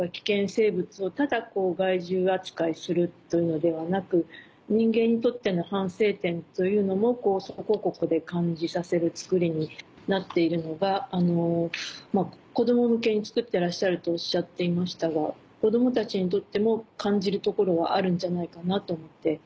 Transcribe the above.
生物をただ害獣扱いするというのではなく人間にとっての反省点というのもそこここで感じさせる作りになっているのが子供向けに作ってらっしゃるとおっしゃっていましたが子供たちにとっても感じるところはあるんじゃないかなと思って。